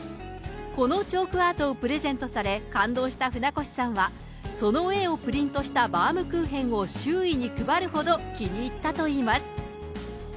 このチョークアートをプレゼントされ、感動した船越さんは、その絵をプリントしたバウムクーヘンを周囲に配るほど、気に入ったといいます。